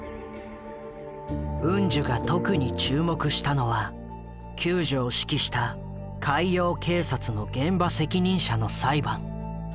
ウンジュが特に注目したのは救助を指揮した海洋警察の現場責任者の裁判。